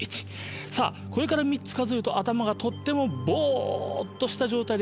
さぁこれから３つ数えると頭がとってもぼっとした状態で目覚める。